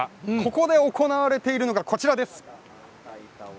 ここで行われているのがこちらです。